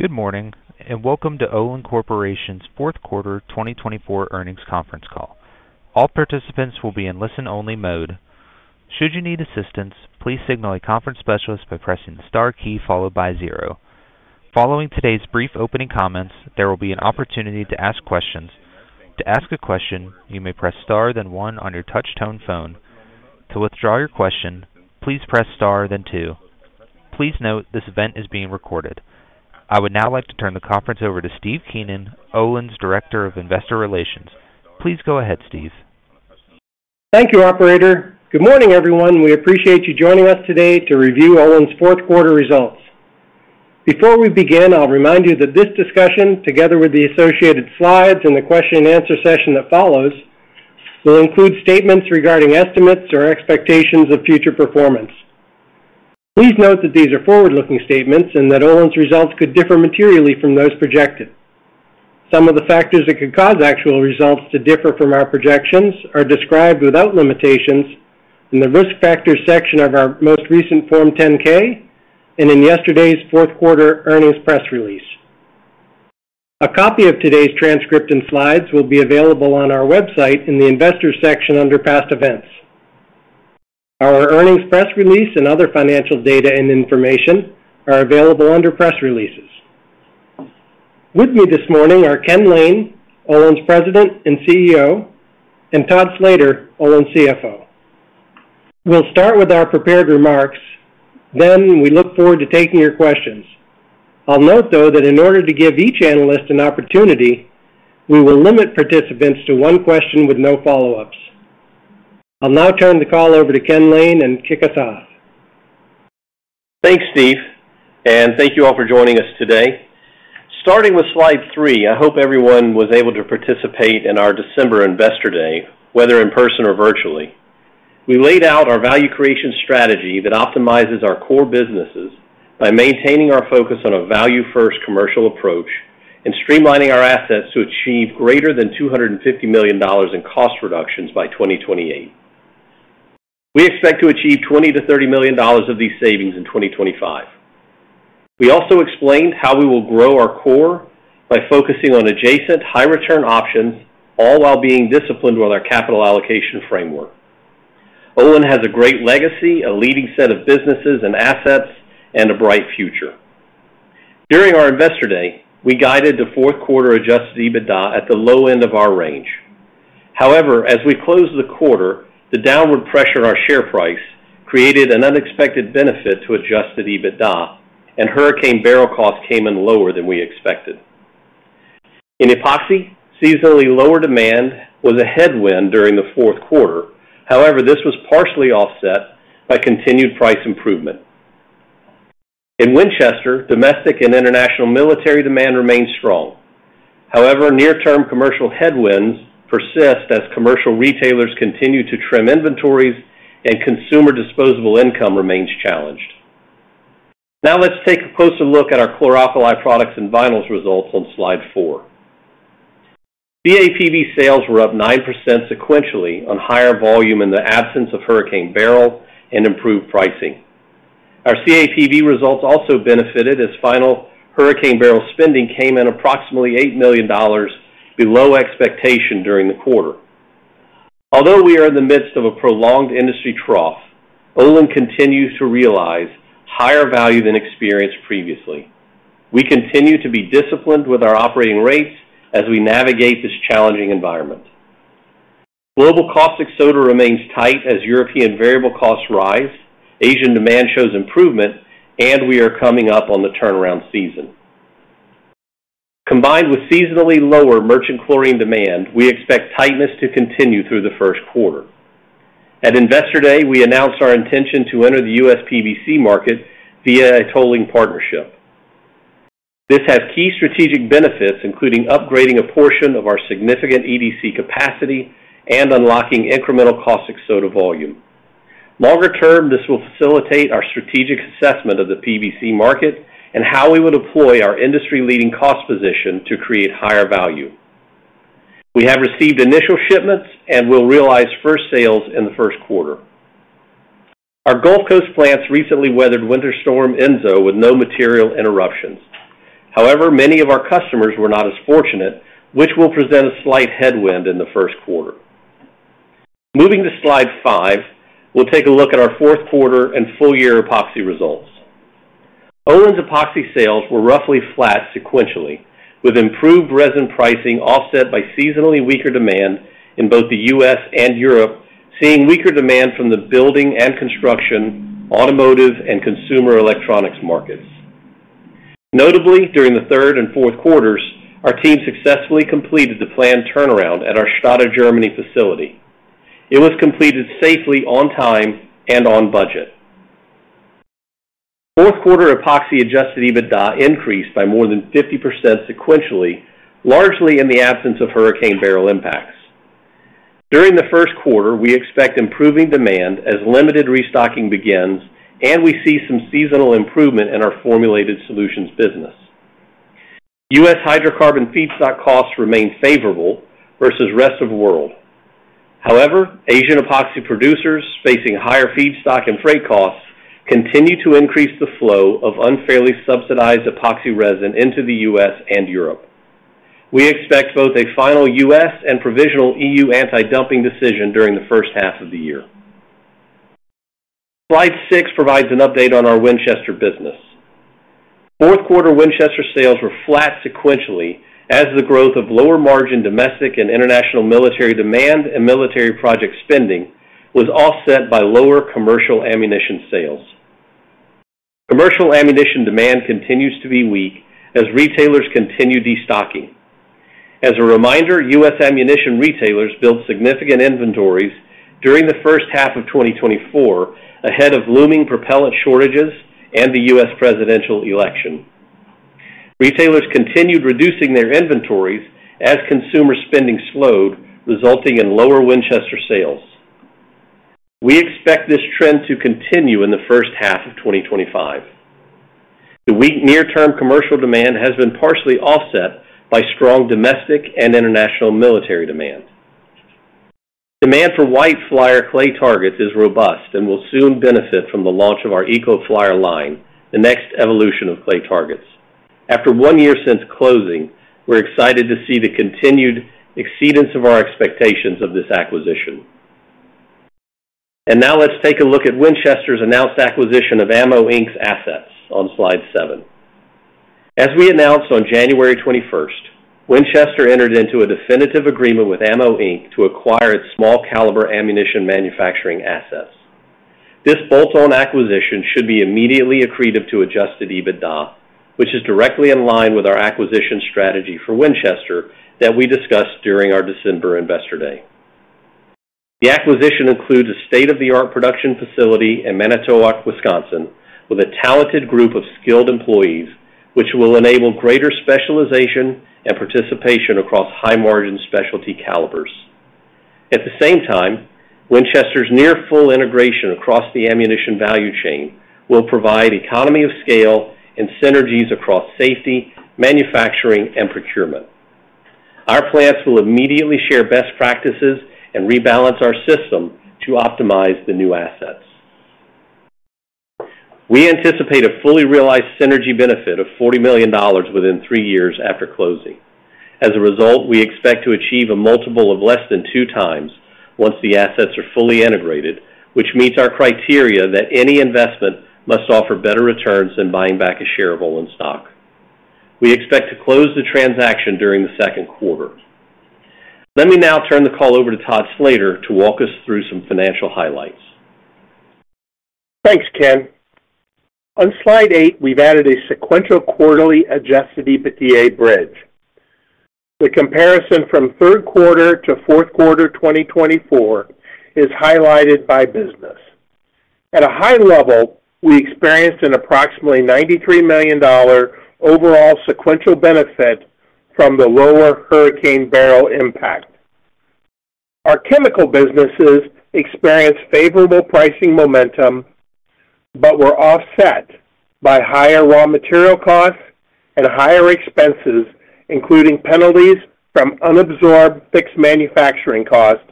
Good morning, and welcome to Olin Corporation's fourth quarter 2024 earnings conference call. All participants will be in listen-only mode. Should you need assistance, please signal a conference specialist by pressing the star key followed by zero. Following today's brief opening comments, there will be an opportunity to ask questions. To ask a question, you may press star then one on your touch-tone phone. To withdraw your question, please press star then two. Please note this event is being recorded. I would now like to turn the conference over to Steve Keenan, Olin's Director of Investor Relations. Please go ahead, Steve. Thank you, Operator. Good morning, everyone. We appreciate you joining us today to review Olin's fourth quarter results. Before we begin, I'll remind you that this discussion, together with the associated slides and the question-and-answer session that follows, will include statements regarding estimates or expectations of future performance. Please note that these are forward-looking statements and that Olin's results could differ materially from those projected. Some of the factors that could cause actual results to differ from our projections are described without limitations in the risk factors section of our most recent Form 10-K and in yesterday's fourth quarter earnings press release. A copy of today's transcript and slides will be available on our website in the investors' section under past events. Our earnings press release and other financial data and information are available under press releases. With me this morning are Ken Lane, Olin's President and CEO, and Todd Slater, Olin's CFO. We'll start with our prepared remarks, then we look forward to taking your questions. I'll note, though, that in order to give each analyst an opportunity, we will limit participants to one question with no follow-ups. I'll now turn the call over to Ken Lane and kick us off. Thanks, Steve, and thank you all for joining us today. Starting with slide three, I hope everyone was able to participate in our December Investor Day, whether in person or virtually. We laid out our value creation strategy that optimizes our core businesses by maintaining our focus on a value-first commercial approach and streamlining our assets to achieve greater than $250 million in cost reductions by 2028. We expect to achieve $20 million-$30 million of these savings in 2025. We also explained how we will grow our core by focusing on adjacent high-return options, all while being disciplined with our capital allocation framework. Olin has a great legacy, a leading set of businesses and assets, and a bright future. During our Investor Day, we guided the fourth quarter adjusted EBITDA at the low end of our range. However, as we closed the quarter, the downward pressure on our share price created an unexpected benefit to adjusted EBITDA, and Hurricane Beryl costs came in lower than we expected. In epoxy, seasonally lower demand was a headwind during the fourth quarter. However, this was partially offset by continued price improvement. In Winchester, domestic and international military demand remained strong. However, near-term commercial headwinds persist as commercial retailers continue to trim inventories, and consumer disposable income remains challenged. Now let's take a closer look at our chlor-alkali products and vinyls results on slide four. CAPV sales were up 9% sequentially on higher volume in the absence of Hurricane Beryl and improved pricing. Our CAPV results also benefited as final Hurricane Beryl spending came in approximately $8 million below expectation during the quarter. Although we are in the midst of a prolonged industry trough, Olin continues to realize higher value than experienced previously. We continue to be disciplined with our operating rates as we navigate this challenging environment. Global caustic soda remains tight as European variable costs rise, Asian demand shows improvement, and we are coming up on the turnaround season. Combined with seasonally lower merchant chlorine demand, we expect tightness to continue through the first quarter. At Investor Day, we announced our intention to enter the U.S. PVC market via a tolling partnership. This has key strategic benefits, including upgrading a portion of our significant EDC capacity and unlocking incremental caustic soda volume. Longer term, this will facilitate our strategic assessment of the PVC market and how we will deploy our industry-leading cost position to create higher value. We have received initial shipments and will realize first sales in the first quarter. Our Gulf Coast plants recently weathered winter storm Enzo with no material interruptions. However, many of our customers were not as fortunate, which will present a slight headwind in the first quarter. Moving to slide five, we'll take a look at our fourth quarter and full-year epoxy results. Olin's epoxy sales were roughly flat sequentially, with improved resin pricing offset by seasonally weaker demand in both the U.S. and Europe, seeing weaker demand from the building and construction, automotive, and consumer electronics markets. Notably, during the third and fourth quarters, our team successfully completed the planned turnaround at our Stade, Germany facility. It was completed safely, on time, and on budget. fourth quarter epoxy adjusted EBITDA increased by more than 50% sequentially, largely in the absence of Hurricane Beryl impacts. During the first quarter, we expect improving demand as limited restocking begins, and we see some seasonal improvement in our Formulated Solutions business. U.S. hydrocarbon feedstock costs remain favorable versus the rest of the world. However, Asian epoxy producers facing higher feedstock and freight costs continue to increase the flow of unfairly subsidized epoxy resin into the U.S. and Europe. We expect both a final U.S. and provisional E.U. anti-dumping decision during the first half of the year. Slide six provides an update on our Winchester business. Fourth quarter Winchester sales were flat sequentially as the growth of lower margin domestic and international military demand and military project spending was offset by lower commercial ammunition sales. Commercial ammunition demand continues to be weak as retailers continue destocking. As a reminder, U.S. ammunition retailers built significant inventories during the first half of 2024 ahead of looming propellant shortages and the U.S. presidential election. Retailers continued reducing their inventories as consumer spending slowed, resulting in lower Winchester sales. We expect this trend to continue in the first half of 2025. The weak near-term commercial demand has been partially offset by strong domestic and international military demand. Demand for White Flyer clay targets is robust and will soon benefit from the launch of our EcoFlyer line, the next evolution of clay targets. After one year since closing, we're excited to see the continued exceedance of our expectations of this acquisition. And now let's take a look at Winchester's announced acquisition of AMMO, Inc.'s assets on slide seven. As we announced on January 21st, Winchester entered into a definitive agreement with AMMO, Inc. to acquire its small-caliber ammunition manufacturing assets. This bolt-on acquisition should be immediately accretive to adjusted EBITDA, which is directly in line with our acquisition strategy for Winchester that we discussed during our December Investor Day. The acquisition includes a state-of-the-art production facility in Manitowoc, Wisconsin, with a talented group of skilled employees, which will enable greater specialization and participation across high-margin specialty calibers. At the same time, Winchester's near-full integration across the ammunition value chain will provide economy of scale and synergies across safety, manufacturing, and procurement. Our plants will immediately share best practices and rebalance our system to optimize the new assets. We anticipate a fully realized synergy benefit of $40 million within three years after closing. As a result, we expect to achieve a multiple of less than two times once the assets are fully integrated, which meets our criteria that any investment must offer better returns than buying back a share of Olin stock. We expect to close the transaction during the second quarter. Let me now turn the call over to Todd Slater to walk us through some financial highlights. Thanks, Ken. On slide eight, we've added a sequential quarterly adjusted EBITDA bridge. The comparison from third quarter to fourth quarter 2024 is highlighted by business. At a high level, we experienced an approximately $93 million overall sequential benefit from the lower Hurricane Beryl impact. Our chemical businesses experienced favorable pricing momentum, but were offset by higher raw material costs and higher expenses, including penalties from unabsorbed fixed manufacturing costs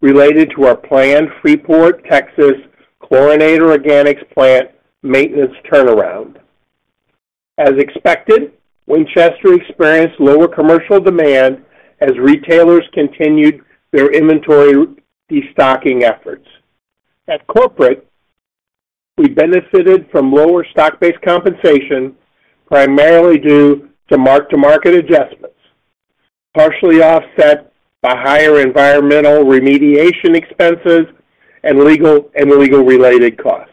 related to our planned Freeport, Texas, chlorinated organics plant maintenance turnaround. As expected, Winchester experienced lower commercial demand as retailers continued their inventory destocking efforts. At corporate, we benefited from lower stock-based compensation, primarily due to mark-to-market adjustments, partially offset by higher environmental remediation expenses and legal and legal-related costs.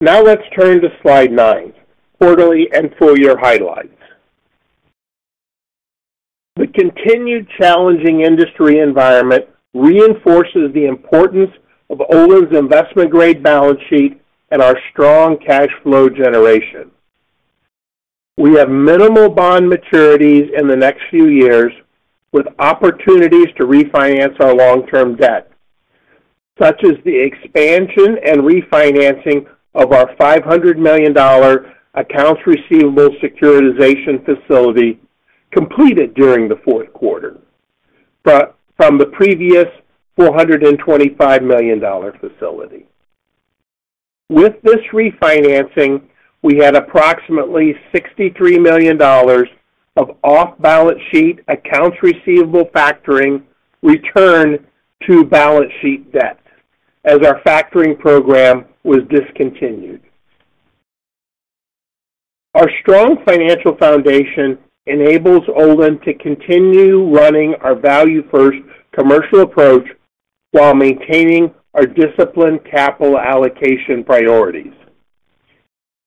Now let's turn to slide nine, quarterly and full-year highlights. The continued challenging industry environment reinforces the importance of Olin's investment-grade balance sheet and our strong cash flow generation. We have minimal bond maturities in the next few years, with opportunities to refinance our long-term debt, such as the expansion and refinancing of our $500 million accounts receivable securitization facility completed during the fourth quarter from the previous $425 million facility. With this refinancing, we had approximately $63 million of off-balance sheet accounts receivable factoring returned to balance sheet debt as our factoring program was discontinued. Our strong financial foundation enables Olin to continue running our value-first commercial approach while maintaining our disciplined capital allocation priorities.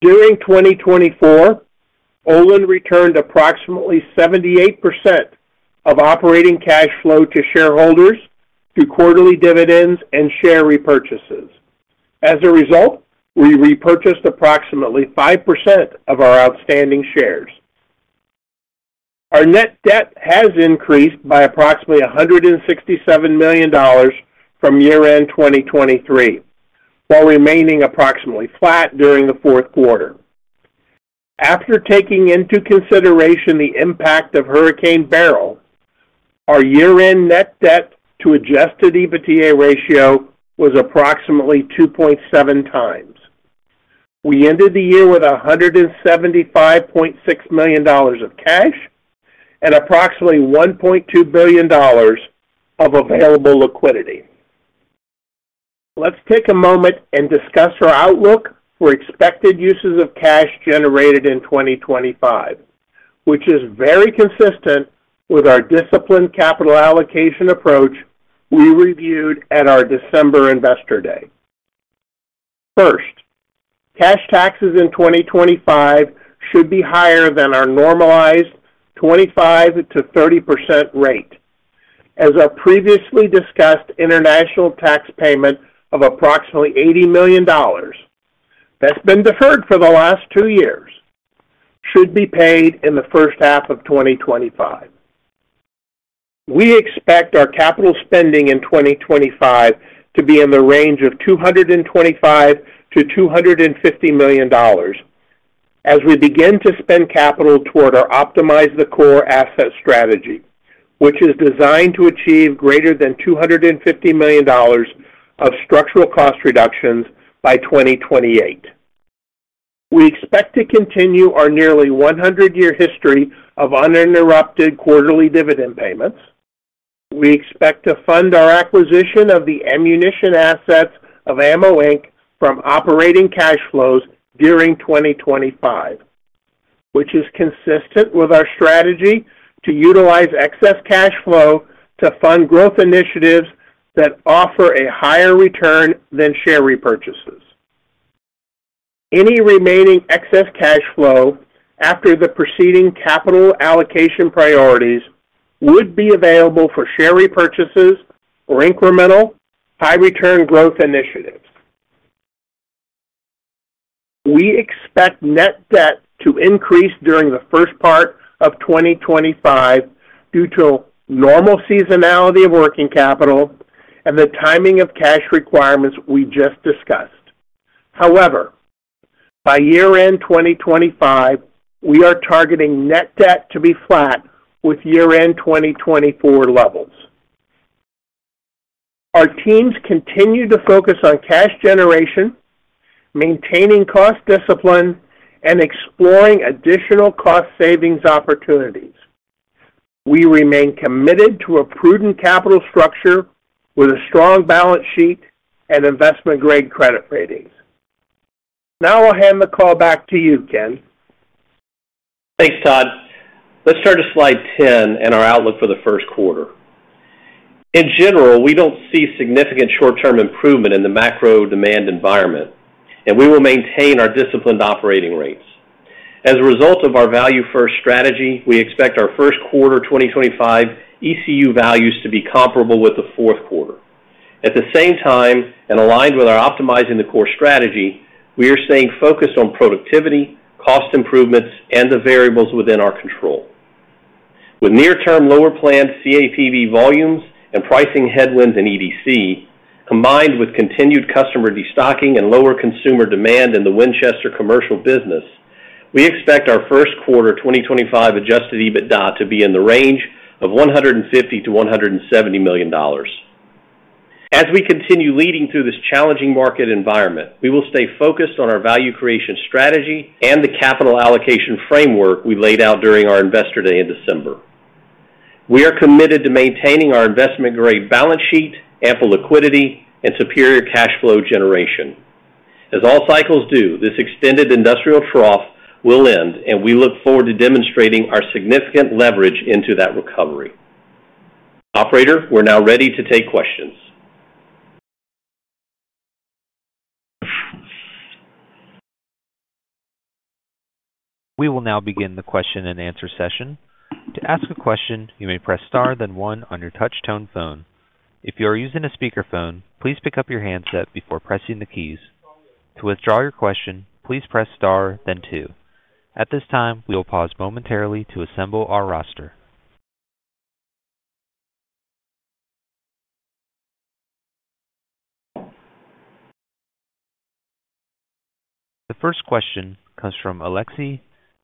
During 2024, Olin returned approximately 78% of operating cash flow to shareholders through quarterly dividends and share repurchases. As a result, we repurchased approximately 5% of our outstanding shares. Our net debt has increased by approximately $167 million from year-end 2023, while remaining approximately flat during the fourth quarter. After taking into consideration the impact of Hurricane Beryl, our year-end net debt to adjusted EBITDA ratio was approximately 2.7x. We ended the year with $175.6 million of cash and approximately $1.2 billion of available liquidity. Let's take a moment and discuss our outlook for expected uses of cash generated in 2025, which is very consistent with our disciplined capital allocation approach we reviewed at our December Investor Day. First, cash taxes in 2025 should be higher than our normalized 25%-30% rate, as our previously discussed international tax payment of approximately $80 million that's been deferred for the last two years should be paid in the first half of 2025. We expect our capital spending in 2025 to be in the range of $225 million-$250 million as we begin to spend capital toward our Optimize the Core Asset strategy, which is designed to achieve greater than $250 million of structural cost reductions by 2028. We expect to continue our nearly 100-year history of uninterrupted quarterly dividend payments. We expect to fund our acquisition of the ammunition assets of AMMO, Inc. from operating cash flows during 2025, which is consistent with our strategy to utilize excess cash flow to fund growth initiatives that offer a higher return than share repurchases. Any remaining excess cash flow after the preceding capital allocation priorities would be available for share repurchases or incremental high-return growth initiatives. We expect net debt to increase during the first part of 2025 due to normal seasonality of working capital and the timing of cash requirements we just discussed. However, by year-end 2025, we are targeting net debt to be flat with year-end 2024 levels. Our teams continue to focus on cash generation, maintaining cost discipline, and exploring additional cost savings opportunities. We remain committed to a prudent capital structure with a strong balance sheet and investment-grade credit ratings. Now I'll hand the call back to you, Ken. Thanks, Todd. Let's turn to slide 10 and our outlook for the first quarter. In general, we don't see significant short-term improvement in the macro demand environment, and we will maintain our disciplined operating rates. As a result of our value-first strategy, we expect our first quarter 2025 ECU values to be comparable with the fourth quarter. At the same time, and aligned with our Optimizing the Core strategy, we are staying focused on productivity, cost improvements, and the variables within our control. With near-term lower planned CAPV volumes and pricing headwinds in EDC, combined with continued customer destocking and lower consumer demand in the Winchester commercial business, we expect our first quarter 2025 adjusted EBITDA to be in the range of $150 million-$170 million. As we continue leading through this challenging market environment, we will stay focused on our value creation strategy and the capital allocation framework we laid out during our Investor Day in December. We are committed to maintaining our investment-grade balance sheet, ample liquidity, and superior cash flow generation. As all cycles do, this extended industrial trough will end, and we look forward to demonstrating our significant leverage into that recovery. Operator, we're now ready to take questions. We will now begin the question and answer session. To ask a question, you may press star, then one on your touch-tone phone. If you are using a speakerphone, please pick up your handset before pressing the keys. To withdraw your question, please press star, then two. At this time, we will pause momentarily to assemble our roster. The first question comes from Aleksey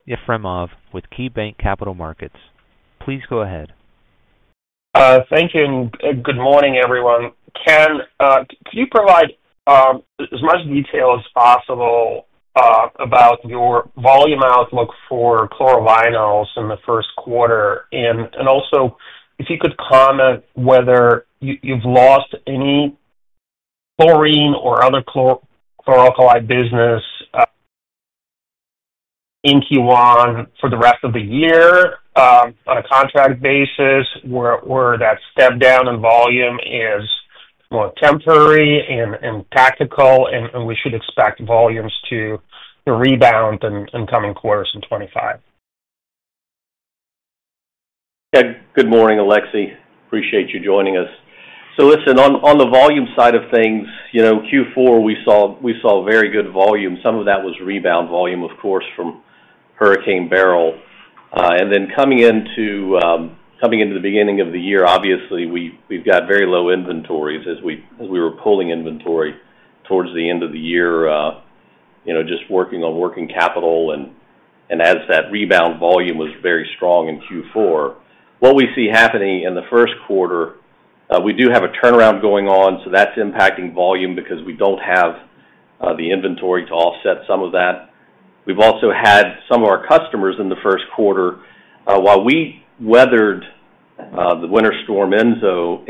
Yefremov with KeyBanc Capital Markets. Please go ahead. Thank you, and good morning, everyone. Ken, can you provide as much detail as possible about your volume outlook for chlorovinyls in the first quarter? And also, if you could comment whether you've lost any chlorine or other chlor-alkali business in Q1 for the rest of the year on a contract basis, where that step down in volume is more temporary and tactical, and we should expect volumes to rebound in coming quarters in 2025? Good morning, Aleksey. Appreciate you joining us. So listen, on the volume side of things, Q4 we saw very good volume. Some of that was rebound volume, of course, from Hurricane Beryl. And then coming into the beginning of the year, obviously, we've got very low inventories as we were pulling inventory towards the end of the year, just working on working capital. And as that rebound volume was very strong in Q4, what we see happening in the first quarter, we do have a turnaround going on, so that's impacting volume because we don't have the inventory to offset some of that. We've also had some of our customers in the first quarter, while we weathered the winter storm Enzo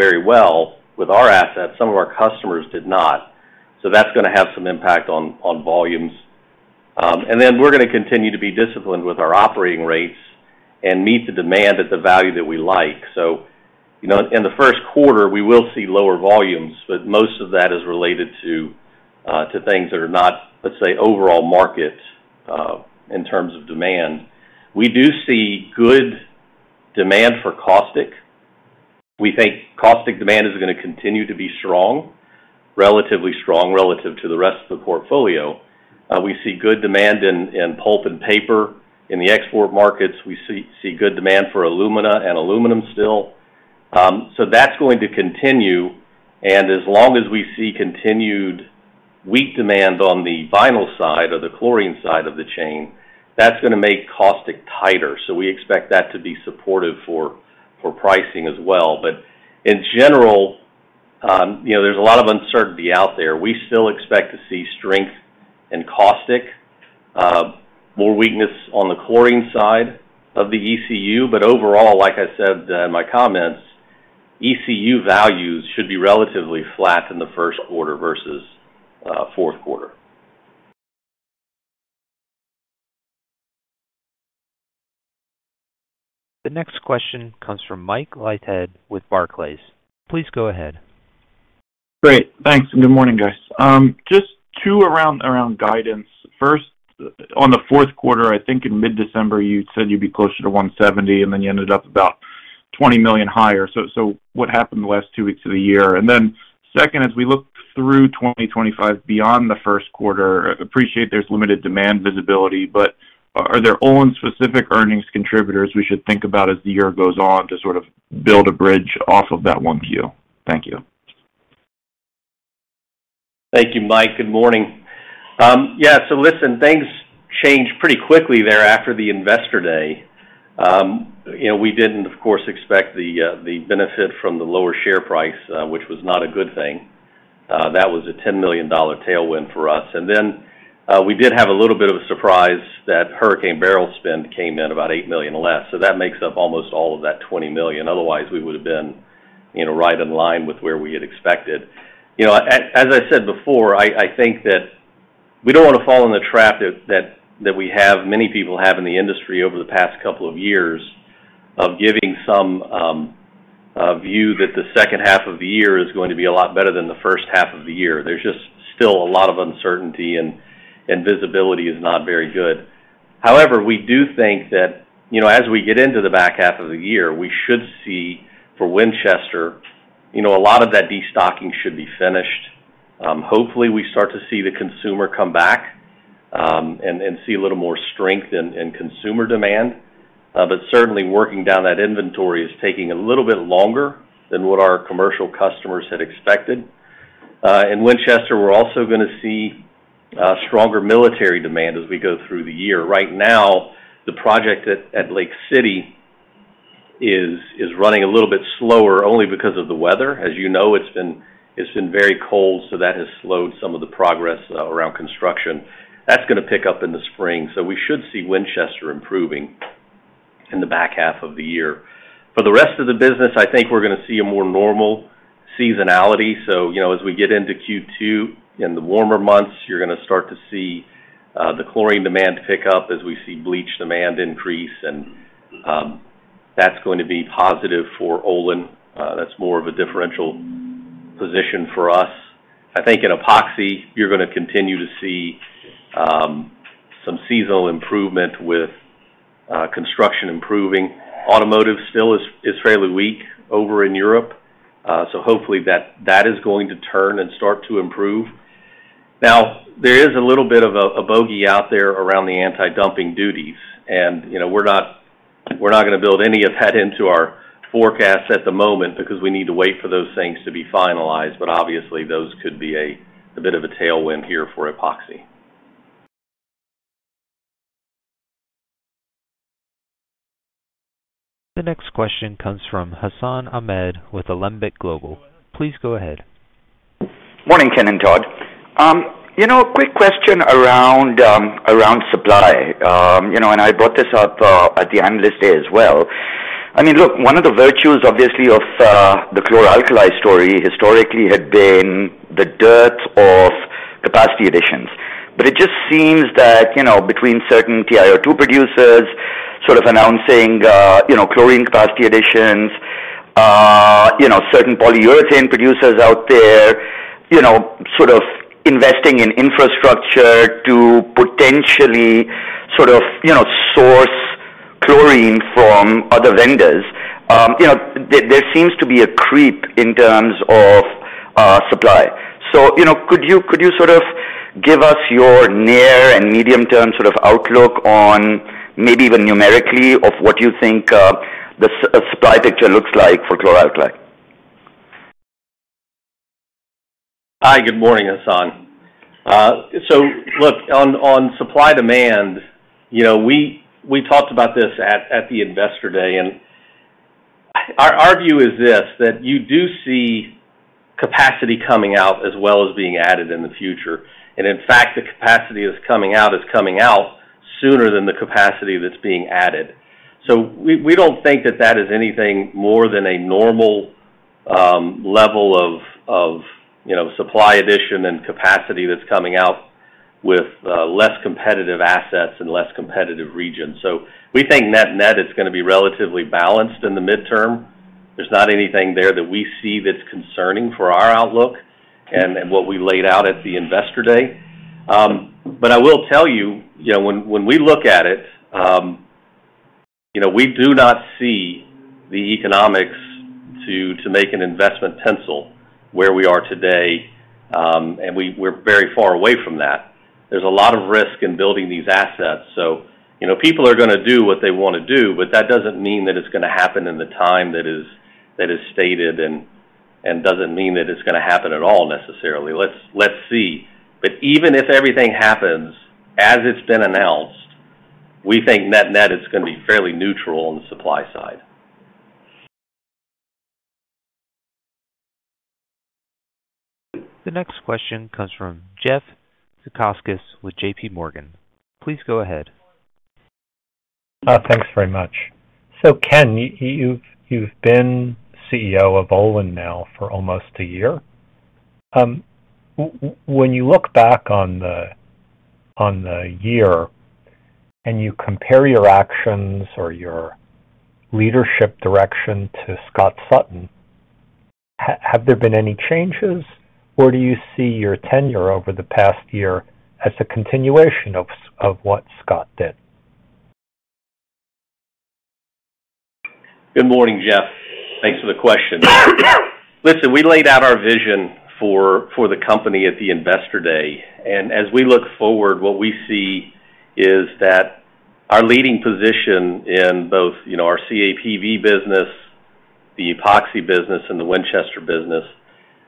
very well with our assets, some of our customers did not. So that's going to have some impact on volumes. And then we're going to continue to be disciplined with our operating rates and meet the demand at the value that we like. So in the first quarter, we will see lower volumes, but most of that is related to things that are not, let's say, overall market in terms of demand. We do see good demand for caustic. We think caustic demand is going to continue to be strong, relatively strong relative to the rest of the portfolio. We see good demand in pulp and paper in the export markets. We see good demand for alumina and aluminum still. So that's going to continue. And as long as we see continued weak demand on the vinyl side or the chlorine side of the chain, that's going to make caustic tighter. So we expect that to be supportive for pricing as well. But in general, there's a lot of uncertainty out there. We still expect to see strength in caustic, more weakness on the chlorine side of the ECU. But overall, like I said in my comments, ECU values should be relatively flat in the first quarter versus fourth quarter. The next question comes from Mike Leithead with Barclays. Please go ahead. Great. Thanks. Good morning, guys. Just two around guidance. First, on the fourth quarter, I think in mid-December, you said you'd be closer to $170 million, and then you ended up about $20 million higher. So what happened the last two weeks of the year? And then second, as we look through 2025 beyond the first quarter, I appreciate there's limited demand visibility, but are there Olin-specific earnings contributors we should think about as the year goes on to sort of build a bridge off of that 1Q? Thank you. Thank you, Mike. Good morning. Yeah, so listen, things changed pretty quickly there after the Investor Day. We didn't, of course, expect the benefit from the lower share price, which was not a good thing. That was a $10 million tailwind for us, and then we did have a little bit of a surprise that Hurricane Beryl spend came in about $8 million less. So that makes up almost all of that $20 million. Otherwise, we would have been right in line with where we had expected. As I said before, I think that we don't want to fall in the trap that we have, many people have in the industry over the past couple of years, of giving some view that the second half of the year is going to be a lot better than the first half of the year. There's just still a lot of uncertainty, and visibility is not very good. However, we do think that as we get into the back half of the year, we should see for Winchester, a lot of that destocking should be finished. Hopefully, we start to see the consumer come back and see a little more strength in consumer demand. But certainly, working down that inventory is taking a little bit longer than what our commercial customers had expected. In Winchester, we're also going to see stronger military demand as we go through the year. Right now, the project at Lake City is running a little bit slower only because of the weather. As you know, it's been very cold, so that has slowed some of the progress around construction. That's going to pick up in the spring. So we should see Winchester improving in the back half of the year. For the rest of the business, I think we're going to see a more normal seasonality. So as we get into Q2 in the warmer months, you're going to start to see the chlorine demand pick up as we see bleach demand increase. And that's going to be positive for Olin. That's more of a differential position for us. I think in epoxy, you're going to continue to see some seasonal improvement with construction improving. Automotive still is fairly weak over in Europe. So hopefully, that is going to turn and start to improve. Now, there is a little bit of a bogey out there around the anti-dumping duties. And we're not going to build any of that into our forecast at the moment because we need to wait for those things to be finalized. But obviously, those could be a bit of a tailwind here for epoxy. The next question comes from Hassan Ahmed with Alembic Global. Please go ahead. Morning, Ken and Todd. A quick question around supply. And I brought this up at the Analyst Day as well. I mean, look, one of the virtues, obviously, of the chlor-alkali story historically had been the dearth of capacity additions. But it just seems that between certain TiO2 producers sort of announcing chlorine capacity additions, certain polyurethane producers out there sort of investing in infrastructure to potentially sort of source chlorine from other vendors, there seems to be a creep in terms of supply. So could you sort of give us your near and medium-term sort of outlook on maybe even numerically of what you think the supply picture looks like for chlor-alkali? Hi, good morning, Hassan. So look, on supply demand, we talked about this at the Investor Day. And our view is this: that you do see capacity coming out as well as being added in the future. And in fact, the capacity that's coming out is coming out sooner than the capacity that's being added. So we don't think that that is anything more than a normal level of supply addition and capacity that's coming out with less competitive assets and less competitive regions. So we think net-net it's going to be relatively balanced in the midterm. There's not anything there that we see that's concerning for our outlook and what we laid out at the Investor Day. But I will tell you, when we look at it, we do not see the economics to make an investment pencil where we are today. And we're very far away from that. There's a lot of risk in building these assets. So people are going to do what they want to do, but that doesn't mean that it's going to happen in the time that is stated and doesn't mean that it's going to happen at all necessarily. Let's see. But even if everything happens as it's been announced, we think net-net it's going to be fairly neutral on the supply side. The next question comes from Jeff Zekauskas with JPMorgan. Please go ahead. Thanks very much. So Ken, you've been CEO of Olin now for almost a year. When you look back on the year and you compare your actions or your leadership direction to Scott Sutton, have there been any changes, or do you see your tenure over the past year as a continuation of what Scott did? Good morning, Jeff. Thanks for the question. Listen, we laid out our vision for the company at the Investor Day, and as we look forward, what we see is that our leading position in both our CAPV business, the epoxy business, and the Winchester business,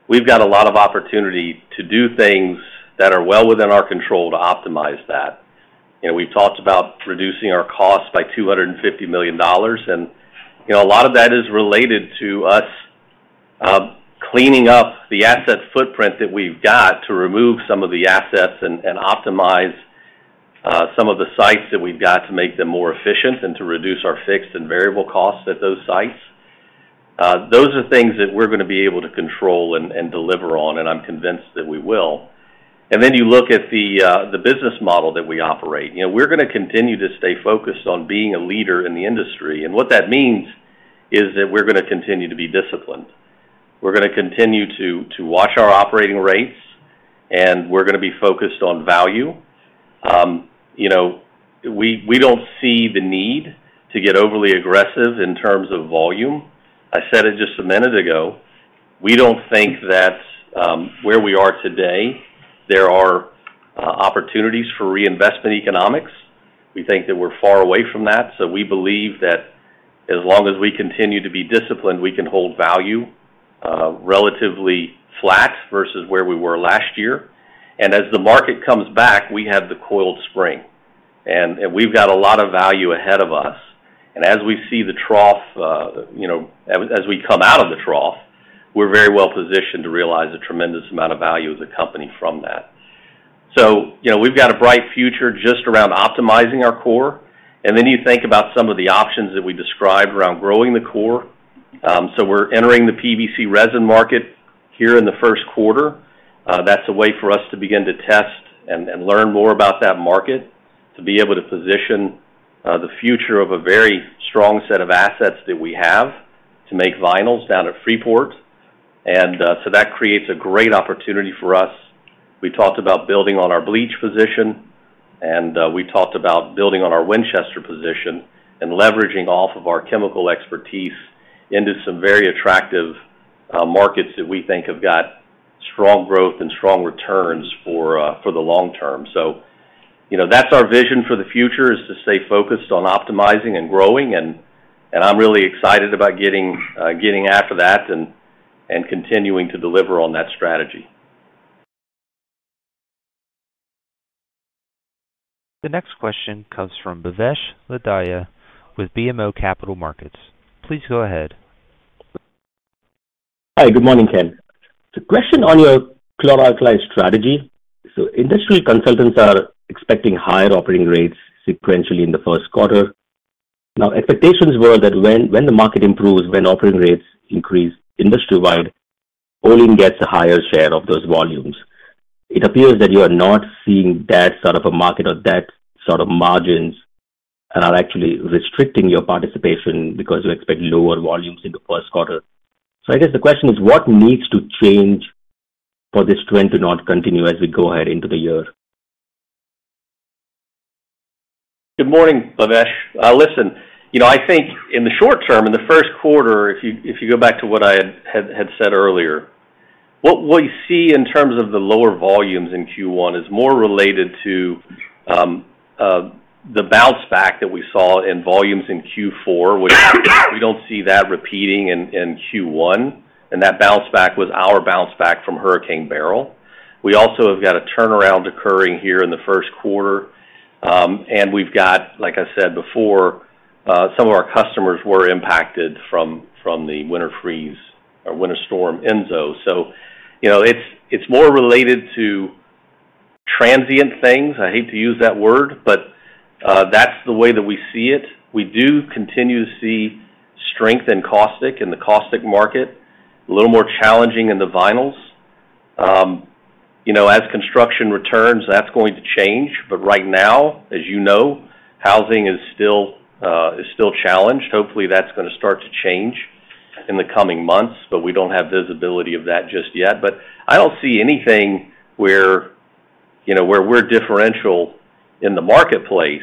we've got a lot of opportunity to do things that are well within our control to optimize that. We've talked about reducing our costs by $250 million, and a lot of that is related to us cleaning up the asset footprint that we've got to remove some of the assets and optimize some of the sites that we've got to make them more efficient and to reduce our fixed and variable costs at those sites. Those are things that we're going to be able to control and deliver on, and I'm convinced that we will. And then you look at the business model that we operate. We're going to continue to stay focused on being a leader in the industry. And what that means is that we're going to continue to be disciplined. We're going to continue to watch our operating rates, and we're going to be focused on value. We don't see the need to get overly aggressive in terms of volume. I said it just a minute ago. We don't think that where we are today, there are opportunities for reinvestment economics. We think that we're far away from that. So we believe that as long as we continue to be disciplined, we can hold value relatively flat versus where we were last year. And as the market comes back, we have the coiled spring. And we've got a lot of value ahead of us. And as we see the trough, as we come out of the trough, we're very well positioned to realize a tremendous amount of value as a company from that. So we've got a bright future just around optimizing our core. And then you think about some of the options that we described around growing the core. So we're entering the PVC resin market here in the first quarter. That's a way for us to begin to test and learn more about that market to be able to position the future of a very strong set of assets that we have to make vinyls down at Freeport. And so that creates a great opportunity for us. We talked about building on our bleach position, and we talked about building on our Winchester position and leveraging off of our chemical expertise into some very attractive markets that we think have got strong growth and strong returns for the long term, so that's our vision for the future is to stay focused on optimizing and growing, and I'm really excited about getting after that and continuing to deliver on that strategy. The next question comes from Bhavesh Lodaya with BMO Capital Markets. Please go ahead. Hi, good morning, Ken. So question on your chlor-alkali strategy. So industrial consultants are expecting higher operating rates sequentially in the first quarter. Now, expectations were that when the market improves, when operating rates increase industry-wide, Olin gets a higher share of those volumes. It appears that you are not seeing that sort of a market or that sort of margins and are actually restricting your participation because you expect lower volumes in the first quarter. So I guess the question is, what needs to change for this trend to not continue as we go ahead into the year? Good morning, Bhavesh. Listen, I think in the short term, in the first quarter, if you go back to what I had said earlier, what we see in terms of the lower volumes in Q1 is more related to the bounce back that we saw in volumes in Q4, which we don't see that repeating in Q1, and that bounce back was our bounce back from Hurricane Beryl. We also have got a turnaround occurring here in the first quarter, and we've got, like I said before, some of our customers were impacted from the winter freeze or winter storm Enzo, so it's more related to transient things. I hate to use that word, but that's the way that we see it. We do continue to see strength in caustic and the caustic market, a little more challenging in the vinyls. As construction returns, that's going to change. But right now, as you know, housing is still challenged. Hopefully, that's going to start to change in the coming months, but we don't have visibility of that just yet. But I don't see anything where we're differential in the marketplace.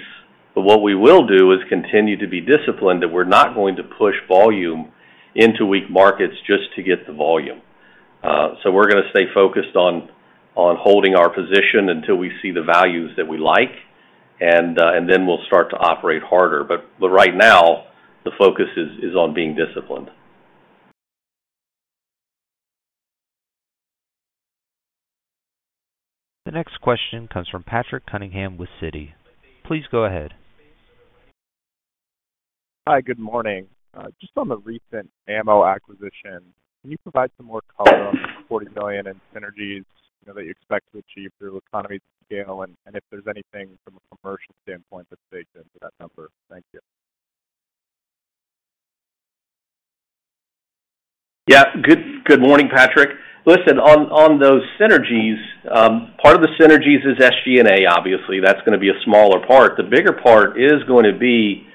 But what we will do is continue to be disciplined that we're not going to push volume into weak markets just to get the volume. So we're going to stay focused on holding our position until we see the values that we like, and then we'll start to operate harder. But right now, the focus is on being disciplined. The next question comes from Patrick Cunningham with Citi. Please go ahead. Hi, good morning. Just on the recent Ammo acquisition, can you provide some more color on the $40 million in synergies that you expect to achieve through economies of scale and if there's anything from a commercial standpoint that's baked into that number? Thank you. Yeah. Good morning, Patrick. Listen, on those synergies, part of the synergies is SG&A, obviously. That's going to be a smaller part. The bigger part is going to be,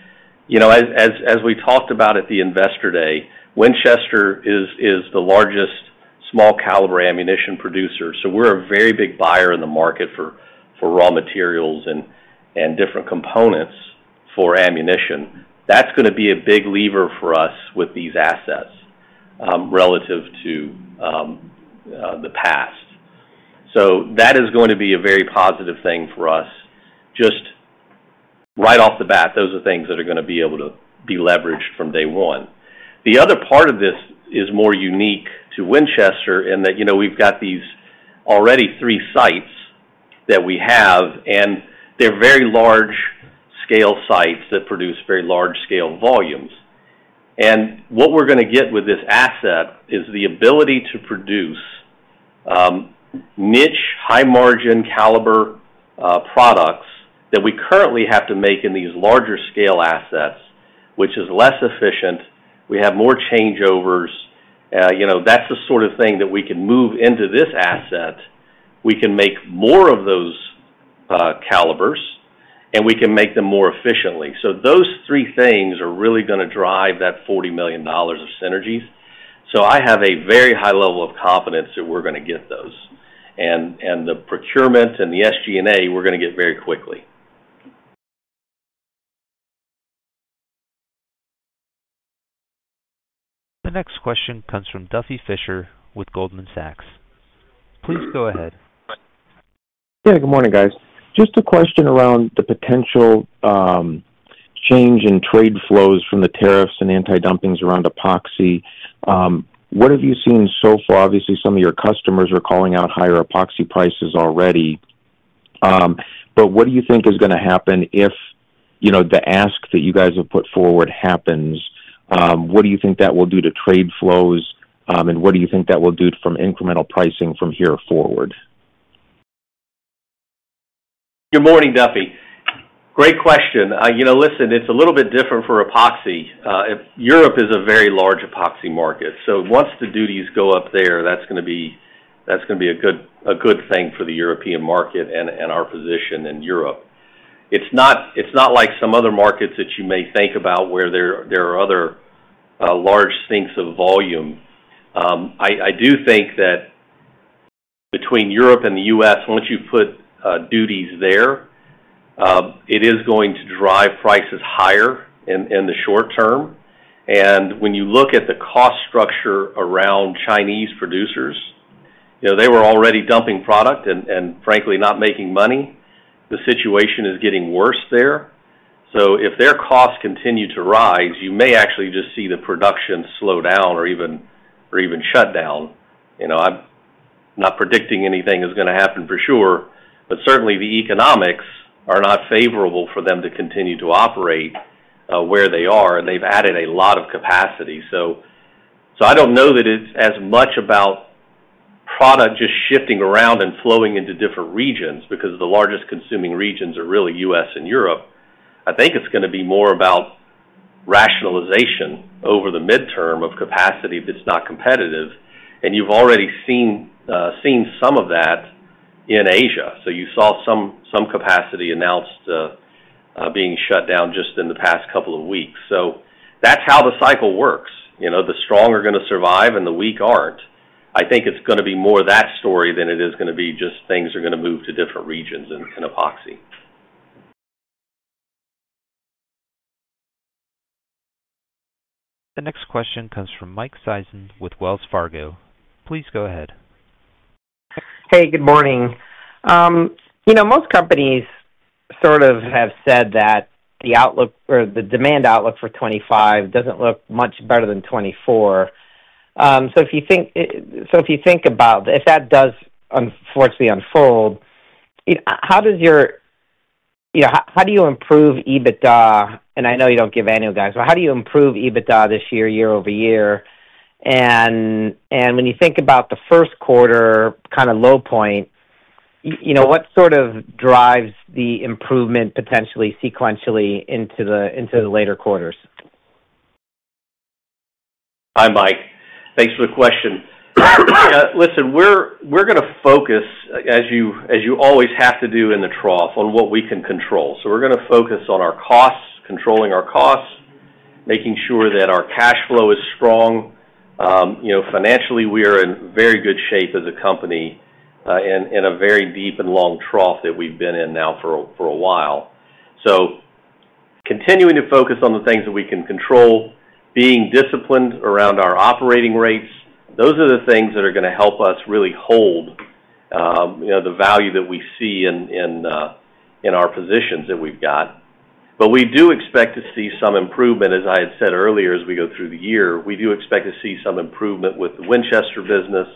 as we talked about at the Investor Day, Winchester is the largest small-caliber ammunition producer. So we're a very big buyer in the market for raw materials and different components for ammunition. That's going to be a big lever for us with these assets relative to the past. So that is going to be a very positive thing for us. Just right off the bat, those are things that are going to be able to be leveraged from day one. The other part of this is more unique to Winchester in that we've got these already three sites that we have, and they're very large-scale sites that produce very large-scale volumes. What we're going to get with this asset is the ability to produce niche, high-margin caliber products that we currently have to make in these larger-scale assets, which is less efficient. We have more changeovers. That's the sort of thing that we can move into this asset. We can make more of those calibers, and we can make them more efficiently. So those three things are really going to drive that $40 million of synergies. So I have a very high level of confidence that we're going to get those. And the procurement and the SG&A, we're going to get very quickly. The next question comes from Duffy Fischer with Goldman Sachs. Please go ahead. Yeah, good morning, guys. Just a question around the potential change in trade flows from the tariffs and anti-dumping around epoxy. What have you seen so far? Obviously, some of your customers are calling out higher epoxy prices already. But what do you think is going to happen if the ask that you guys have put forward happens? What do you think that will do to trade flows, and what do you think that will do to incremental pricing from here forward? Good morning, Duffy. Great question. Listen, it's a little bit different for epoxy. Europe is a very large epoxy market. So once the duties go up there, that's going to be a good thing for the European market and our position in Europe. It's not like some other markets that you may think about where there are other large sinks of volume. I do think that between Europe and the U.S., once you put duties there, it is going to drive prices higher in the short term. And when you look at the cost structure around Chinese producers, they were already dumping product and, frankly, not making money. The situation is getting worse there. So if their costs continue to rise, you may actually just see the production slow down or even shut down. I'm not predicting anything is going to happen for sure, but certainly the economics are not favorable for them to continue to operate where they are, and they've added a lot of capacity. So I don't know that it's as much about product just shifting around and flowing into different regions because the largest consuming regions are really U.S. and Europe. I think it's going to be more about rationalization over the midterm of capacity if it's not competitive. And you've already seen some of that in Asia. So you saw some capacity announced being shut down just in the past couple of weeks. So that's how the cycle works. The strong are going to survive, and the weak aren't. I think it's going to be more that story than it is going to be just things are going to move to different regions in epoxy. The next question comes from Mike Sison with Wells Fargo. Please go ahead. Hey, good morning. Most companies sort of have said that the demand outlook for 2025 doesn't look much better than 2024. So if you think about if that does, unfortunately, unfold, how do you improve EBITDA? And I know you don't give annual guidance, but how do you improve EBITDA this year, year over year? And when you think about the first quarter kind of low point, what sort of drives the improvement potentially sequentially into the later quarters? Hi, Mike. Thanks for the question. Listen, we're going to focus, as you always have to do in the trough, on what we can control. So we're going to focus on our costs, controlling our costs, making sure that our cash flow is strong. Financially, we are in very good shape as a company in a very deep and long trough that we've been in now for a while. So continuing to focus on the things that we can control, being disciplined around our operating rates, those are the things that are going to help us really hold the value that we see in our positions that we've got. But we do expect to see some improvement, as I had said earlier, as we go through the year. We do expect to see some improvement with the Winchester business.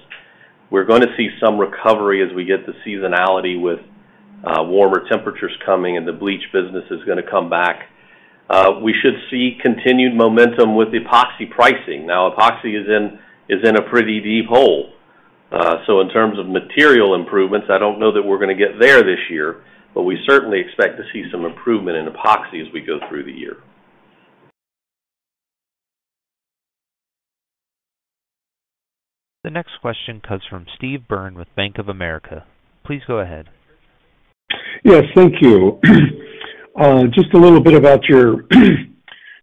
We're going to see some recovery as we get the seasonality with warmer temperatures coming, and the bleach business is going to come back. We should see continued momentum with epoxy pricing. Now, epoxy is in a pretty deep hole. So in terms of material improvements, I don't know that we're going to get there this year, but we certainly expect to see some improvement in epoxy as we go through the year. The next question comes from Steve Byrne with Bank of America. Please go ahead. Yes, thank you. Just a little bit about your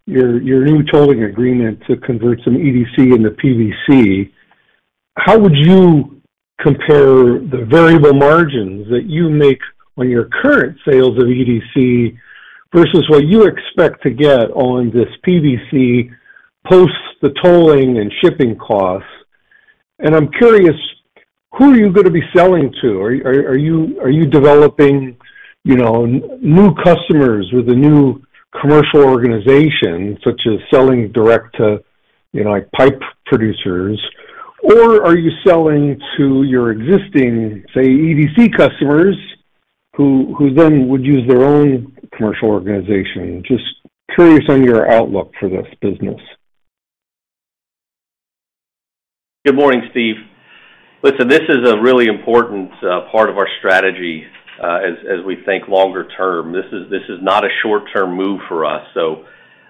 new tolling agreement to convert some EDC into PVC. How would you compare the variable margins that you make on your current sales of EDC versus what you expect to get on this PVC post the tolling and shipping costs? And I'm curious, who are you going to be selling to? Are you developing new customers with a new commercial organization, such as selling direct to pipe producers, or are you selling to your existing, say, EDC customers who then would use their own commercial organization? Just curious on your outlook for this business. Good morning, Steve. Listen, this is a really important part of our strategy as we think longer term. This is not a short-term move for us, so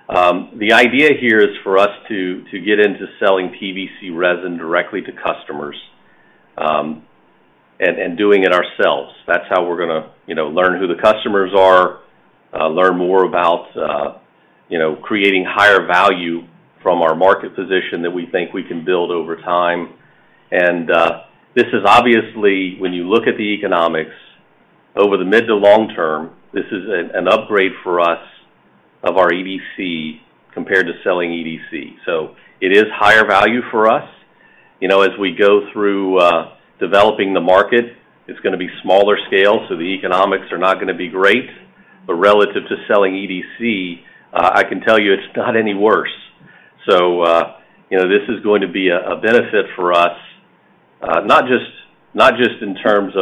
the idea here is for us to get into selling PVC resin directly to customers and doing it ourselves. That's how we're going to learn who the customers are, learn more about creating higher value from our market position that we think we can build over time, and this is obviously, when you look at the economics, over the mid to long term, this is an upgrade for us of our EDC compared to selling EDC. So it is higher value for us. As we go through developing the market, it's going to be smaller scale, so the economics are not going to be great, but relative to selling EDC, I can tell you it's not any worse. So this is going to be a benefit for us, not just in terms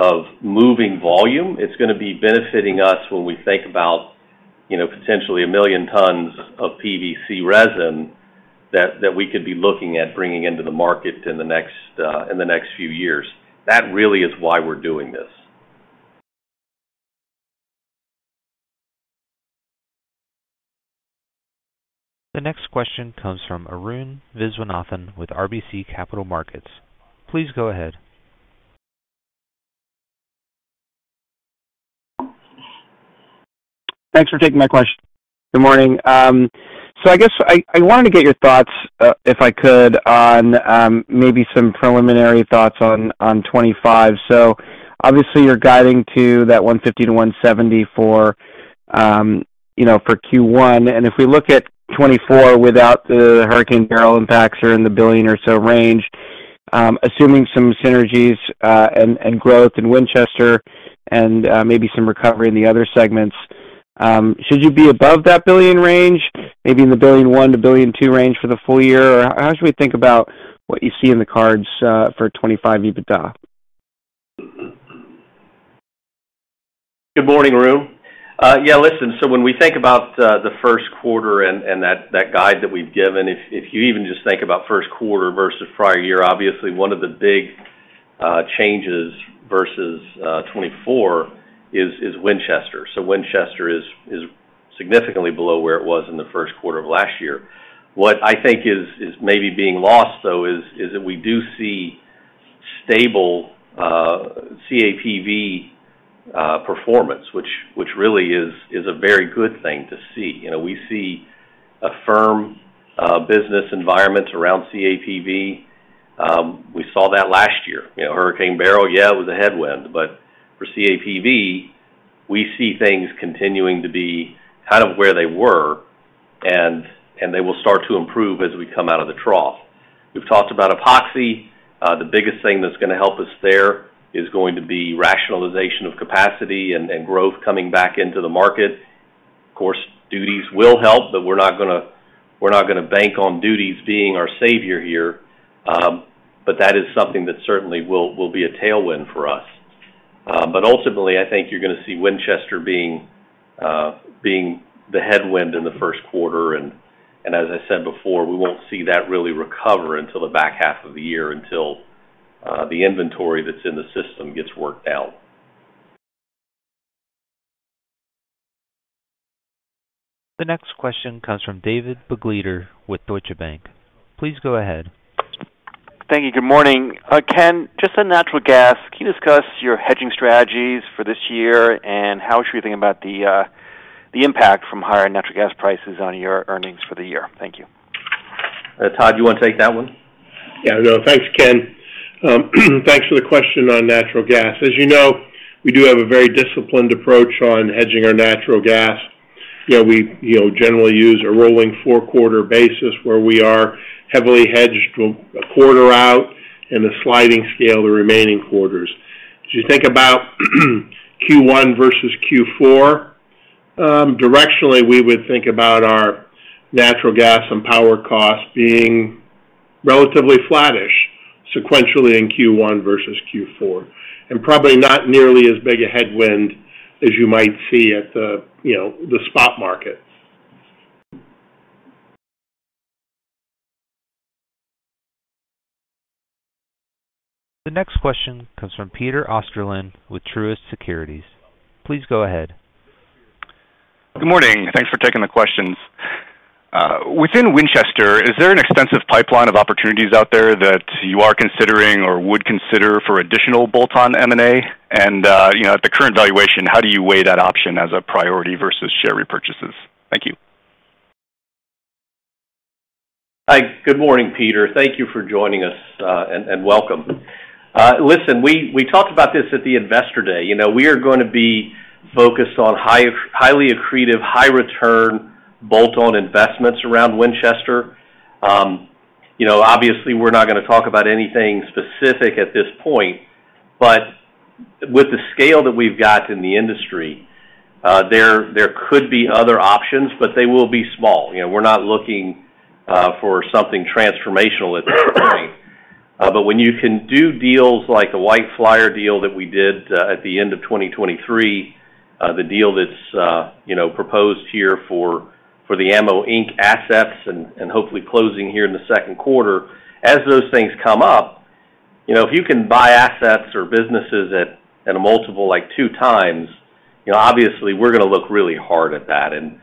of moving volume. It's going to be benefiting us when we think about potentially a million tons of PVC resin that we could be looking at bringing into the market in the next few years. That really is why we're doing this. The next question comes from Arun Viswanathan with RBC Capital Markets. Please go ahead. Thanks for taking my question. Good morning. So I guess I wanted to get your thoughts, if I could, on maybe some preliminary thoughts on 2025. So obviously, you're guiding to that $150-$170 for Q1. And if we look at 2024 without the Hurricane Beryl impacts or in the billion or so range, assuming some synergies and growth in Winchester and maybe some recovery in the other segments, should you be above that billion range, maybe in the $1.1 billion-$1.2 billion range for the full year? Or how should we think about what you see in the cards for 2025 EBITDA? Good morning, Arun. Yeah, listen, so when we think about the first quarter and that guide that we've given, if you even just think about first quarter versus prior year, obviously, one of the big changes versus 2024 is Winchester. So Winchester is significantly below where it was in the first quarter of last year. What I think is maybe being lost, though, is that we do see stable CAPV performance, which really is a very good thing to see. We see a firm business environment around CAPV. We saw that last year. Hurricane Beryl, yeah, it was a headwind. But for CAPV, we see things continuing to be kind of where they were, and they will start to improve as we come out of the trough. We've talked about epoxy. The biggest thing that's going to help us there is going to be rationalization of capacity and growth coming back into the market. Of course, duties will help, but we're not going to bank on duties being our savior here. But that is something that certainly will be a tailwind for us. But ultimately, I think you're going to see Winchester being the headwind in the first quarter. And as I said before, we won't see that really recover until the back half of the year, until the inventory that's in the system gets worked out. The next question comes from David Begleiter with Deutsche Bank. Please go ahead. Thank you. Good morning. Ken, just on natural gas, can you discuss your hedging strategies for this year and how should we think about the impact from higher natural gas prices on your earnings for the year? Thank you. Todd, do you want to take that one? Yeah. Thanks, Ken. Thanks for the question on natural gas. As you know, we do have a very disciplined approach on hedging our natural gas. We generally use a rolling four-quarter basis where we are heavily hedged a quarter out and a sliding scale the remaining quarters. If you think about Q1 versus Q4, directionally, we would think about our natural gas and power costs being relatively flattish sequentially in Q1 versus Q4, and probably not nearly as big a headwind as you might see at the spot market. The next question comes from Peter Osterland with Truist Securities. Please go ahead. Good morning. Thanks for taking the questions. Within Winchester, is there an extensive pipeline of opportunities out there that you are considering or would consider for additional bolt-on M&A? And at the current valuation, how do you weigh that option as a priority versus share repurchases? Thank you. Hi. Good morning, Peter. Thank you for joining us and welcome. Listen, we talked about this at the investor day. We are going to be focused on highly accretive, high-return bolt-on investments around Winchester. Obviously, we're not going to talk about anything specific at this point. But with the scale that we've got in the industry, there could be other options, but they will be small. We're not looking for something transformational at this point. But when you can do deals like the White Flyer deal that we did at the end of 2023, the deal that's proposed here for the AMMO, Inc. assets and hopefully closing here in the second quarter, as those things come up, if you can buy assets or businesses at a multiple like two times, obviously, we're going to look really hard at that. And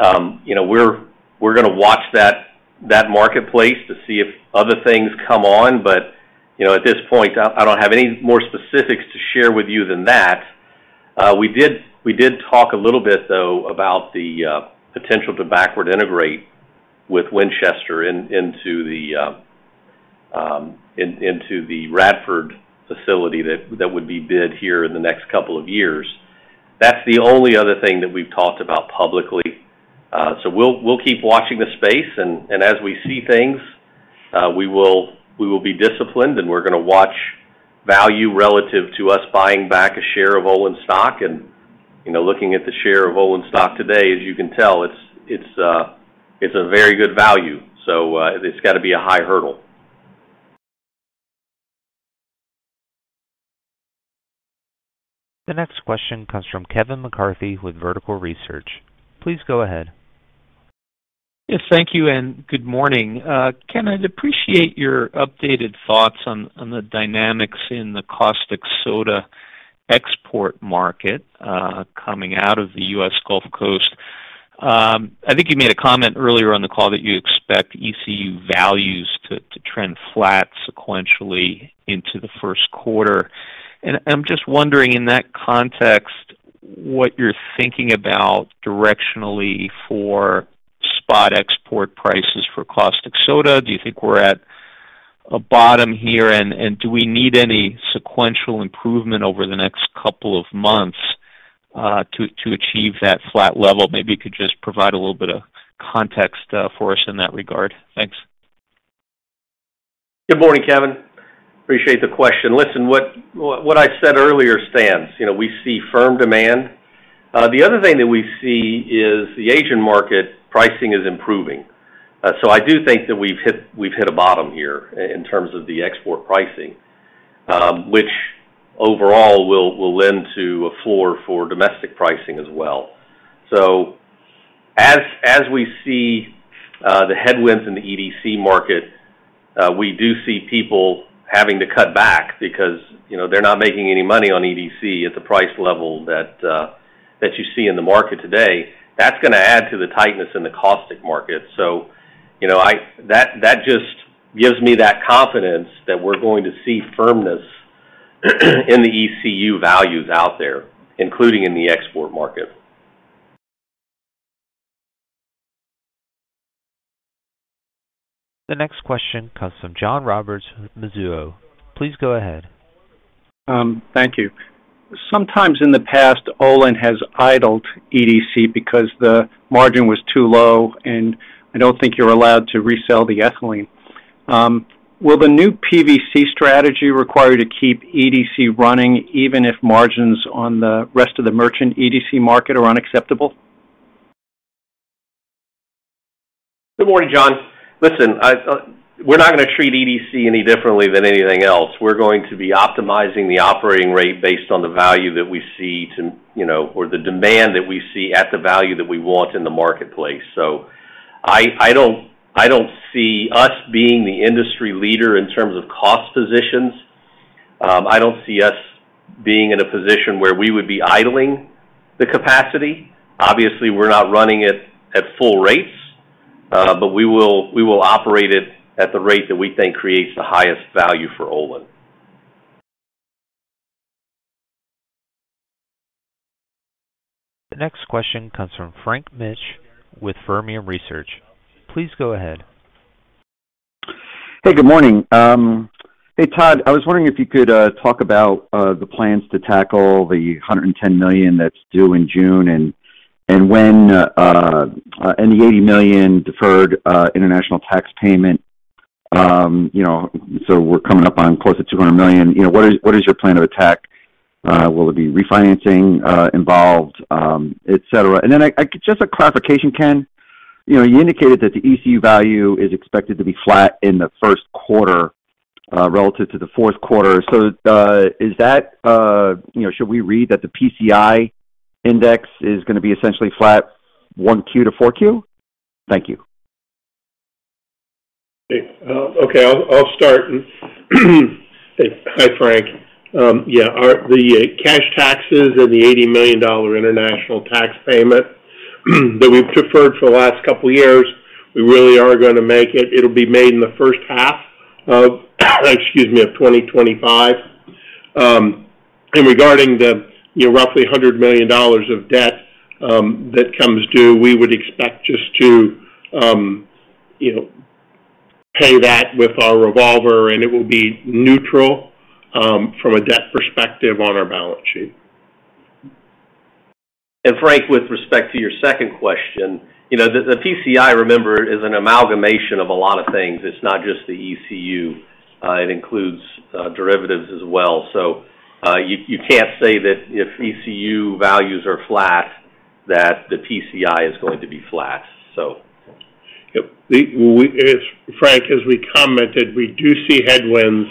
we're going to watch that marketplace to see if other things come on. But at this point, I don't have any more specifics to share with you than that. We did talk a little bit, though, about the potential to backward integrate with Winchester into the Radford facility that would be bid here in the next couple of years. That's the only other thing that we've talked about publicly. So we'll keep watching the space. And as we see things, we will be disciplined, and we're going to watch value relative to us buying back a share of Olin stock. And looking at the share of Olin stock today, as you can tell, it's a very good value. So it's got to be a high hurdle. The next question comes from Kevin McCarthy with Vertical Research. Please go ahead. Yes, thank you, and good morning. Ken, I'd appreciate your updated thoughts on the dynamics in the caustic soda export market coming out of the U.S. Gulf Coast. I think you made a comment earlier on the call that you expect ECU values to trend flat sequentially into the first quarter. And I'm just wondering, in that context, what you're thinking about directionally for spot export prices for caustic soda. Do you think we're at a bottom here? And do we need any sequential improvement over the next couple of months to achieve that flat level? Maybe you could just provide a little bit of context for us in that regard. Thanks. Good morning, Kevin. Appreciate the question. Listen, what I said earlier stands. We see firm demand. The other thing that we see is the Asian market pricing is improving. So I do think that we've hit a bottom here in terms of the export pricing, which overall will lend to a floor for domestic pricing as well. So as we see the headwinds in the EDC market, we do see people having to cut back because they're not making any money on EDC at the price level that you see in the market today. That's going to add to the tightness in the caustic market. So that just gives me that confidence that we're going to see firmness in the ECU values out there, including in the export market. The next question comes from John Roberts with Mizuho. Please go ahead. Thank you. Sometimes in the past, Olin has idled EDC because the margin was too low, and I don't think you're allowed to resell the ethylene. Will the new PVC strategy require you to keep EDC running even if margins on the rest of the merchant EDC market are unacceptable? Good morning, John. Listen, we're not going to treat EDC any differently than anything else. We're going to be optimizing the operating rate based on the value that we see or the demand that we see at the value that we want in the marketplace. So I don't see us being the industry leader in terms of cost positions. I don't see us being in a position where we would be idling the capacity. Obviously, we're not running it at full rates, but we will operate it at the rate that we think creates the highest value for Olin. The next question comes from Frank Mitsch with Fermium Research. Please go ahead. Hey, good morning. Hey, Todd, I was wondering if you could talk about the plans to tackle the $110 million that's due in June and when and the $80 million deferred international tax payment. So we're coming up on close to $200 million. What is your plan of attack? Will there be refinancing involved, etc.? And then just a clarification, Ken, you indicated that the ECU value is expected to be flat in the first quarter relative to the fourth quarter. So is that should we read that the PCI index is going to be essentially flat, 1Q to 4Q? Thank you. Okay. I'll start. Hi, Frank. Yeah. The cash taxes and the $80 million international tax payment that we've deferred for the last couple of years, we really are going to make it. It'll be made in the first half of, excuse me, of 2025. And regarding the roughly $100 million of debt that comes due, we would expect just to pay that with our revolver, and it will be neutral from a debt perspective on our balance sheet. And Frank, with respect to your second question, the PCI, remember, is an amalgamation of a lot of things. It's not just the ECU. It includes derivatives as well. So you can't say that if ECU values are flat, that the PCI is going to be flat, so. Yep. Frank, as we commented, we do see headwinds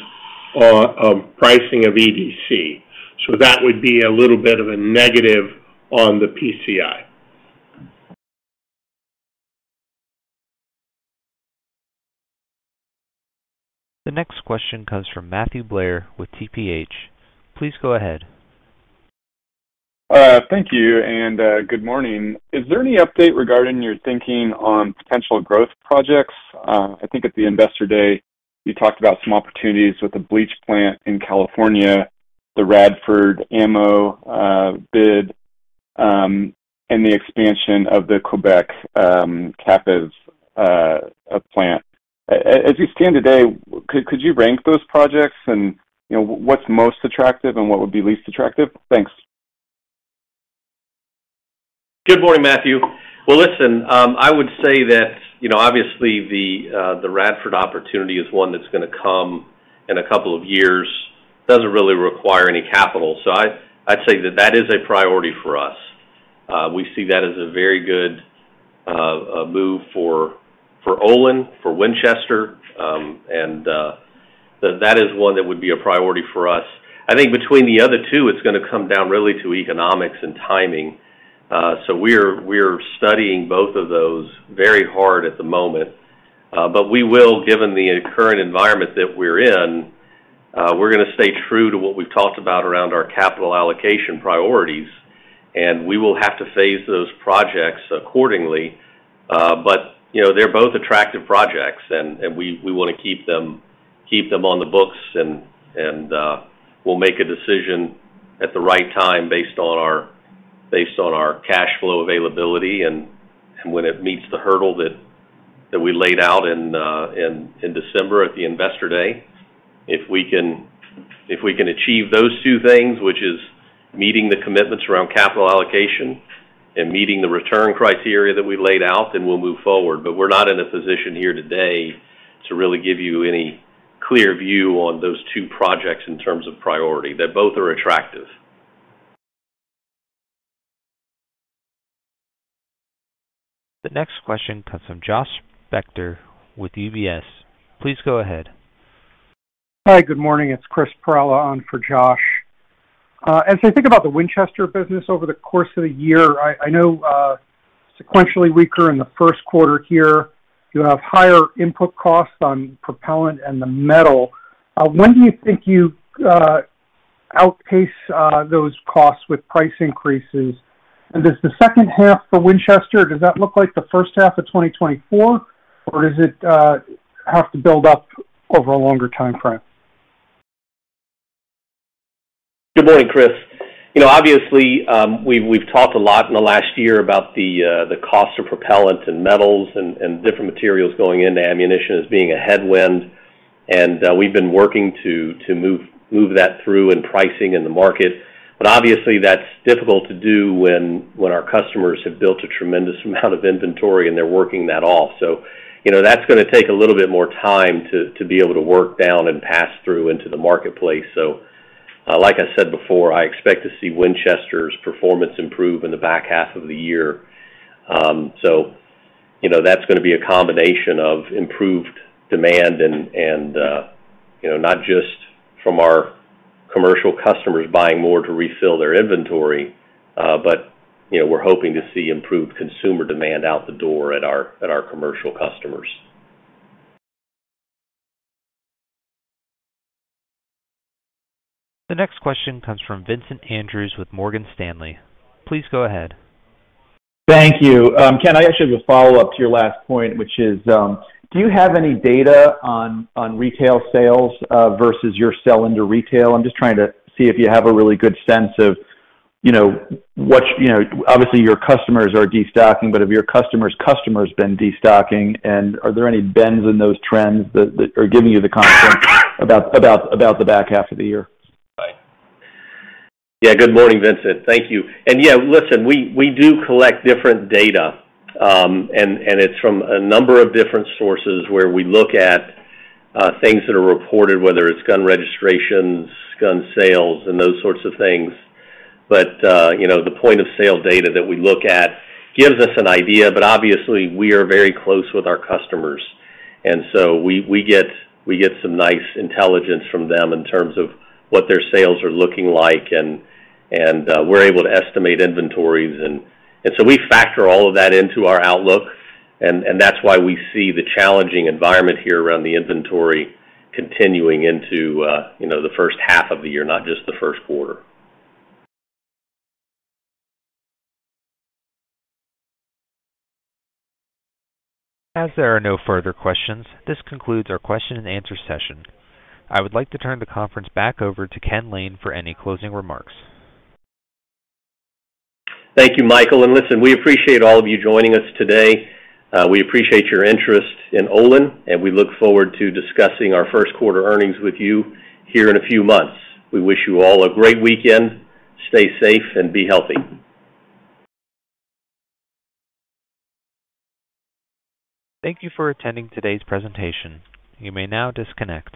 on pricing of EDC. So that would be a little bit of a negative on the PCI. The next question comes from Matthew Blair with TPH. Please go ahead. Thank you. And good morning. Is there any update regarding your thinking on potential growth projects? I think at the investor day, you talked about some opportunities with the bleach plant in California, the Radford ammo bid, and the expansion of the Quebec Bécancour plant. As we stand today, could you rank those projects? And what's most attractive and what would be least attractive? Thanks. Good morning, Matthew. Well, listen, I would say that obviously the Radford opportunity is one that's going to come in a couple of years. It doesn't really require any capital. So I'd say that that is a priority for us. We see that as a very good move for Olin, for Winchester, and that is one that would be a priority for us. I think between the other two, it's going to come down really to economics and timing. So we're studying both of those very hard at the moment. But we will, given the current environment that we're in, we're going to stay true to what we've talked about around our capital allocation priorities. And we will have to phase those projects accordingly. But they're both attractive projects, and we want to keep them on the books. We'll make a decision at the right time based on our cash flow availability and when it meets the hurdle that we laid out in December at the investor day. If we can achieve those two things, which is meeting the commitments around capital allocation and meeting the return criteria that we laid out, then we'll move forward. But we're not in a position here today to really give you any clear view on those two projects in terms of priority. They both are attractive. The next question comes from Josh Spector with UBS. Please go ahead. Hi. Good morning. It's Chris Perrella on for Josh. As I think about the Winchester business over the course of the year, I know sequentially weaker in the first quarter here, you have higher input costs on propellant and the metal. When do you think you outpace those costs with price increases? And does the second half for Winchester, does that look like the first half of 2024, or does it have to build up over a longer time frame? Good morning, Chris. Obviously, we've talked a lot in the last year about the cost of propellant and metals and different materials going into ammunition as being a headwind, and we've been working to move that through in pricing and the market, but obviously, that's difficult to do when our customers have built a tremendous amount of inventory and they're working that off, so that's going to take a little bit more time to be able to work down and pass through into the marketplace, so like I said before, I expect to see Winchester's performance improve in the back half of the year, so that's going to be a combination of improved demand and not just from our commercial customers buying more to refill their inventory, but we're hoping to see improved consumer demand out the door at our commercial customers. The next question comes from Vincent Andrews with Morgan Stanley. Please go ahead. Thank you. Ken, I actually have a follow-up to your last point, which is, do you have any data on retail sales versus your sell into retail? I'm just trying to see if you have a really good sense of what obviously your customers are destocking, but have your customers' customers been destocking? And are there any bends in those trends that are giving you the confidence about the back half of the year? Right. Yeah. Good morning, Vincent. Thank you. And yeah, listen, we do collect different data, and it's from a number of different sources where we look at things that are reported, whether it's gun registrations, gun sales, and those sorts of things. But the point of sale data that we look at gives us an idea. But obviously, we are very close with our customers. And so we get some nice intelligence from them in terms of what their sales are looking like. And we're able to estimate inventories. And so we factor all of that into our outlook. And that's why we see the challenging environment here around the inventory continuing into the first half of the year, not just the first quarter. As there are no further questions, this concludes our question-and-answer session. I would like to turn the conference back over to Ken Lane for any closing remarks. Thank you, Michael. Listen, we appreciate all of you joining us today. We appreciate your interest in Olin, and we look forward to discussing our first quarter earnings with you here in a few months. We wish you all a great weekend. Stay safe and be healthy. Thank you for attending today's presentation. You may now disconnect.